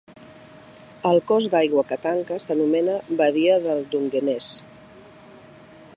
El cos d'aigua que tanca s'anomena badia de Dungeness.